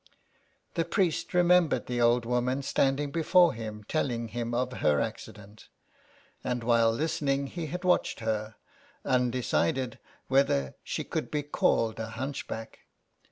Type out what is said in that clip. '' The priest remembered the old woman standing before him telling him of her accident, and while listening he had watched her, undecided whether she could be called a hunchback.